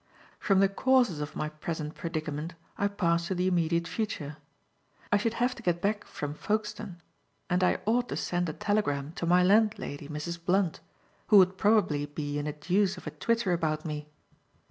From the causes of my present predicament I passed to the immediate future. I should have to get back from Folkestone, and I ought to send a telegram to my landlady, Mrs. Blunt, who would probably be in a deuce of a twitter about me.